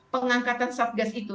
pengangkatan satgas itu